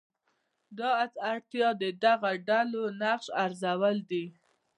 دا اړتیا د دغو ډلو نقش ارزول دي.